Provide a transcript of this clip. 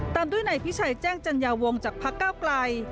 ตามด้วยนายพิชัยแจ้งจัญญาวงจากพักเก้าไกล